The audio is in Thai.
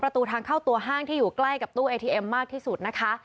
ประตูทางเข้าตัวห้างที่อยู่ใกล้กับตู้เอทีเอ็มมากที่สุดนะคะ